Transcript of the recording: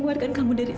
silahkan masuk aida